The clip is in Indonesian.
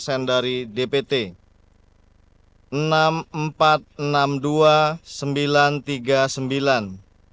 jumlah surat suara yang digunakan